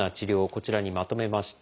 こちらにまとめました。